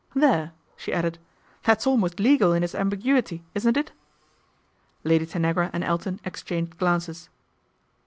There !" she added, " that's almost legal in its ambiguity, isn't it ?" Lady Tanagra and Elton exchanged glances.